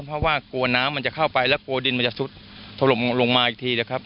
เพราะว่ากลัวน้ำมันจะเข้าไปแล้วกลัวดินมันจะซุดถล่มลงมาอีกทีนะครับ